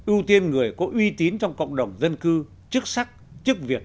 ưu tiên người có uy tín trong cộng đồng dân cư chức sắc chức việc